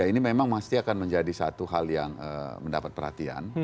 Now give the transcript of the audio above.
ini memang pasti akan menjadi satu hal yang mendapat perhatian